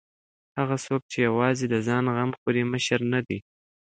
هغه څوک چې یوازې د ځان غم خوري مشر نه دی.